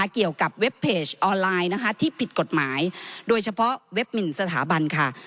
เกี่ยวกับเว็บเพจออนไลน์นะคะที่ผิดกฎหมายโดยเฉพาะเว็บหมินสถาบันค่ะ